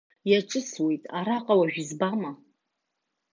Иаҿысуеит, араҟа уажә избама!